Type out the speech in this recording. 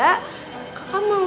kakak mau aku nerima nathan